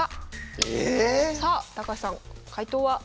ええ⁉さあ高橋さん解答は？